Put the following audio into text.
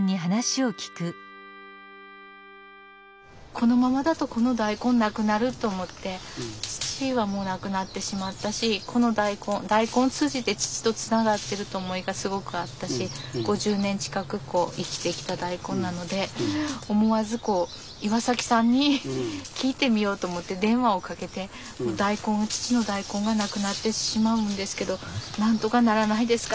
このままだとこの大根なくなると思って父はもう亡くなってしまったしこの大根大根通じて父とつながってると思いがすごくあったし５０年近く生きてきた大根なので思わずこう岩さんに聞いてみようと思って電話をかけて大根父の大根がなくなってしまうんですけどなんとかならないですか？